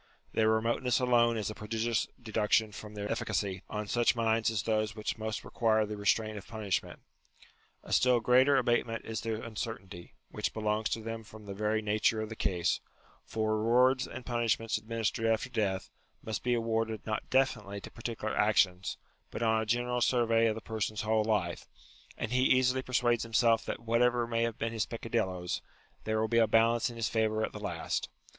Their remoteness alone is a prodigious deduction from their efficacy, on such minds as those which most require the restraint of punishment. A still greater abate ment is their uncertainty, which belongs to them from the very nature of the case : for rewards and 90 UTILITY OF RELIGION punishments administered after death, must be awarded not definitely to particular actions, but on a general survey of the person's whole life, and he easily per suades himself that whatever may have been his peccadilloes, there will be a balance in his favour at the last.